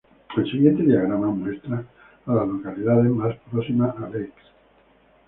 El siguiente diagrama muestra a las localidades más próximas a Lakes.